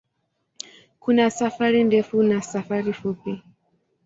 Kuna safari ndefu na safari fupi.